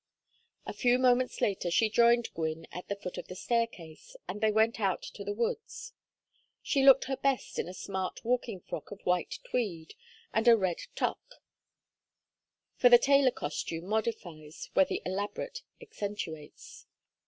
A few moments later she joined Gwynne at the foot of the staircase, and they went out to the woods. She looked her best in a smart walking frock of white tweed, and a red toque; for the tailor costume modifies where the elaborate accentuates.